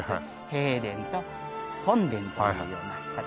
幣殿と本殿というような形に。